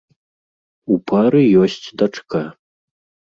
У пары ёсць дачка.